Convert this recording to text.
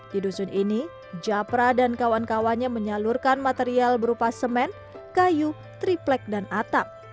di dusun ini japra dan kawan kawannya menyalurkan material berupa semen kayu triplek dan atap